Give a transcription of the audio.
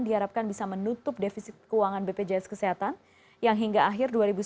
diharapkan bisa menutup defisit keuangan bpjs kesehatan yang hingga akhir